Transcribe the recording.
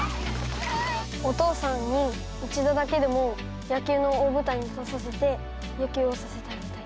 お父さんに一度だけでも野球の大舞台に出させて野球をさせてあげたい。